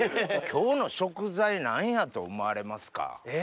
今日の食材何やと思われますか？